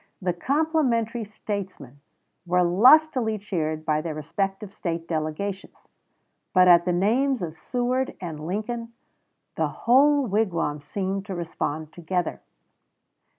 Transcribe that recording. The "complimentary" statesmen were lustily cheered by their respective State delegations; but at the names of Seward and Lincoln the whole wigwam seemed to respond together.